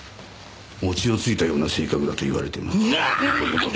餅をついたような性格だと言われてます。